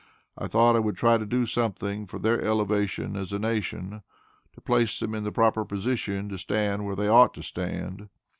I thought I would try to do something for their elevation as a nation, to place them in the proper position to stand where they ought to stand.